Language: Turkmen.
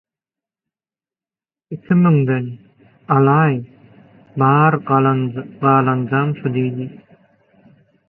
– Iki müňden. Alaý, bar galanjam şü – diýdi.